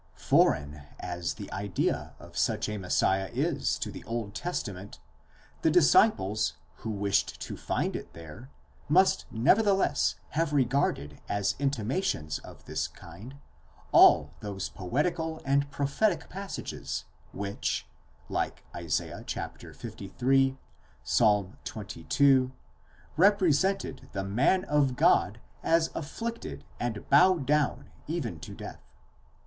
Foreign as the idea of such a Messiah is to the Old Testament, the disciples, who wished to find it there, must nevertheless. have regarded as intimations of this kind, all those poetical and prophetic passages which, like Isa. liii., Ps. xxii., represented the man of God as afflicted and bowed down even to death.